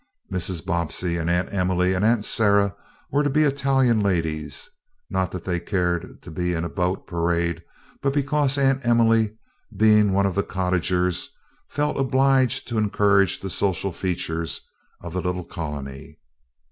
Mrs. Bobbsey and Aunt Emily and Aunt Sarah were to be Italian ladies, not that they cared to be in the boat parade, but because Aunt Emily, being one of the cottagers, felt obliged to encourage the social features of the little colony.